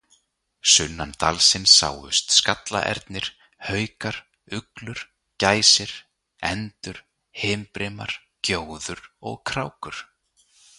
Sunnan dalsins sáust skallaernir, haukar, uglur, gæsir, endur, himbrimar, gjóður og krákur.